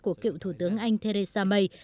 của cựu thủ tướng anh theresa may